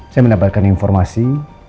saya mendapatkan informasi